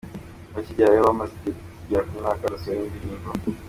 Bakigerayo, bamaze igihe kigera ku mwaka badasohora indirimbo.